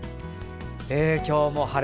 今日も晴れ。